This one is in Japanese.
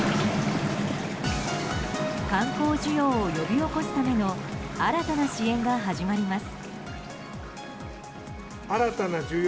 観光需要を呼び起こすための新たな支援が始まります。